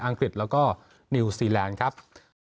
องกฤษแล้วก็นิวซีแลนด์ครับ